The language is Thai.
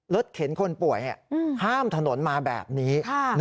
เข็นคนป่วยข้ามถนนมาแบบนี้